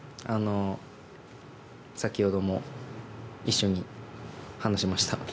先ほども一緒に話しました。